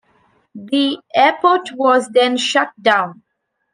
The airport was then shut down.